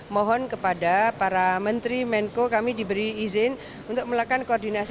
mohon kepada para menteri menko kami diberi izin untuk melakukan koordinasi